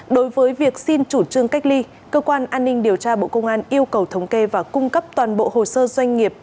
đối với việc xin chủ trương cách ly cơ quan an ninh điều tra bộ công an yêu cầu thống kê và cung cấp toàn bộ hồ sơ doanh nghiệp